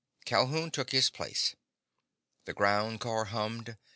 Calhoun took his place. The ground car hummed.